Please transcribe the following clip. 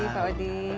pak ji pak odi